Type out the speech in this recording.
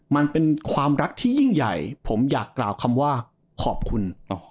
มันเป็นความรักที่ยิ่งใหญ่ผมอยากกล่าวคำว่าขอบคุณ